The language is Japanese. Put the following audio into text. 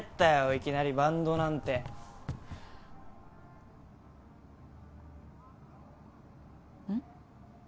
いきなりバンドなんてうん？